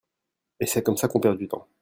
Et c'est comme ça qu'on perd du temps.